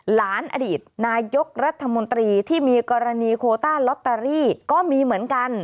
อดีตนายกรัฐมนตรีที่มีกรณีโคต้าลอตเตอรี่ก็มีเหมือนกัน